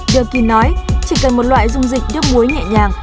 được kỳ nói chỉ cần một loại dung dịch nước muối nhẹ nhàng